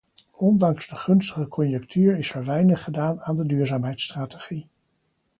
Ondanks de gunstige conjunctuur is er weinig gedaan aan de duurzaamheidsstrategie.